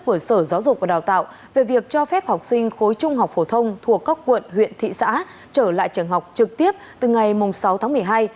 của sở giáo dục và đào tạo về việc cho phép học sinh khối trung học phổ thông thuộc các quận huyện thị xã trở lại trường học trực tiếp từ ngày sáu tháng một mươi hai